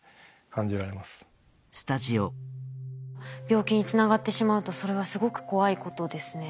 病気につながってしまうとそれはすごく怖いことですね。